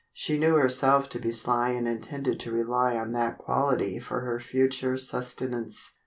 She knew herself to be sly and intended to rely on that quality for her future sustenance.